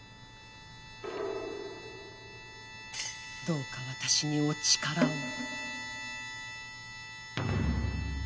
どうか私にお力を。